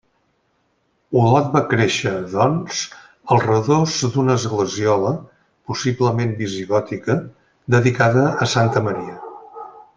Olot va créixer, doncs, al redós d'una esglesiola, possiblement visigòtica, dedicada a Santa Maria.